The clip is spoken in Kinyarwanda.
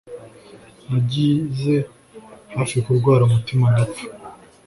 Nagize hafi kurwara umutima ndapfa.